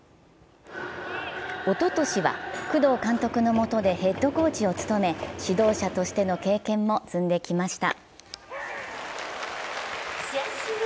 おととしは工藤監督のもとでヘッドコーチを務め指導者としての経験も積んできました。